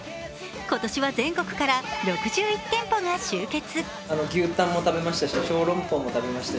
今年は全国から６１店舗が集結。